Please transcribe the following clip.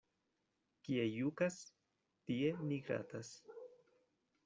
Kie jukas, tie ni gratas.